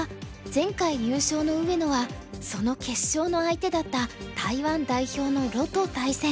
前回優勝の上野はその決勝の相手だった台湾代表の盧と対戦。